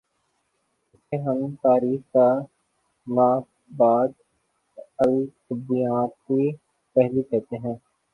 اسے ہم تاریخ کا ما بعد الطبیعیاتی پہلو کہتے ہیں۔